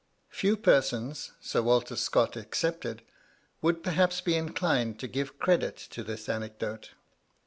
Few persons, Sir Walter Scott excepted, would perhaps be inclined to give credit to this anecdote.